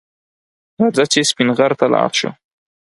راځه چې سپین غر ته لاړ شو